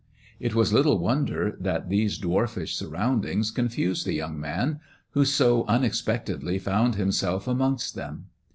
It was little *ODder that these dwarfish surroundings confused the young man who so unexpectedly found himself amongst ""em.